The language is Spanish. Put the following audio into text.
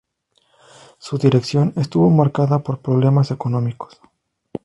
Su dirección estuvo marcada por problemas económicos.